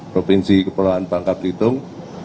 provinsi kepulauan bangka belitung